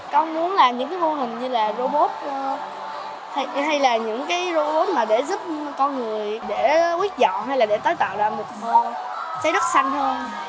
con muốn làm những mô hình như là robot hay là những robot để giúp con người để quyết dọn hay là để tối tạo ra một môi sấy đất xanh hơn